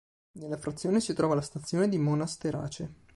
Nella frazione si trova la stazione di Monasterace.